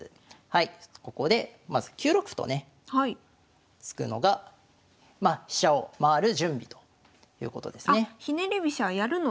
はいここでまず９六歩とね突くのが飛車を回る準備ということですね。